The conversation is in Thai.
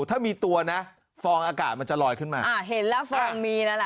ถ้ามีตัวนะฟองอากาศมันจะลอยขึ้นมาอ่าเห็นแล้วฟองมีแล้วล่ะ